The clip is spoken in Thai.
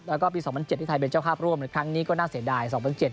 แล้วก็ปี๒๐๐๗ที่ไทยเป็นเจ้าคาบร่วมครั้งนี้ก็น่าเสียดาย